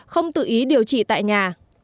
không tự ý điều trị tại nhà